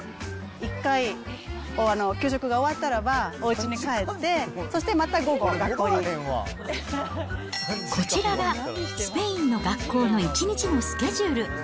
一回、給食が終わったらば、おうちに帰ってそしてまた午後学校にこちらがスペインの学校の一日のスケジュール。